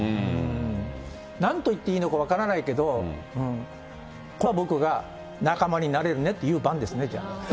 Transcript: なんと言っていいのか分からないけど、今度は僕が、仲間になれるねって言う番ですね、じゃあ。